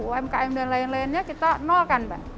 umkm dan lain lainnya kita nol kan pak